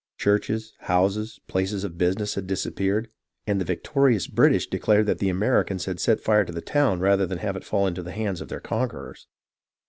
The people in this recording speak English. Churches, houses, places of business had disappeared, and the vic torious British declared that the Americans had set fire to the town rather than have it fall into the hands of their con querors.